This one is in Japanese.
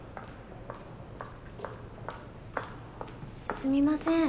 すみません。